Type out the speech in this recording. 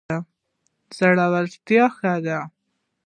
زړورتیا ښه ده.